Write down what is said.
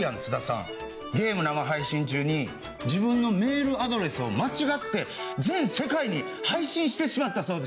ゲーム生配信中に自分のメールアドレスを間違って全世界に配信してしまったそうです。